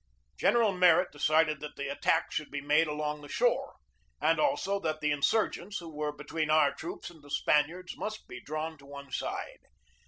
General Merritt decided that the attack should be made along the shore, and also that the insurgents, who were between our troops and the Spaniards, must be drawn to one side.